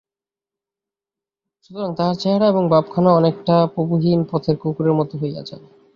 সুতরাং তাহার চেহারা এবং ভাবখানা অনেকটা প্রভুহীন পথের কুকুরের মতো হইয়া যায়।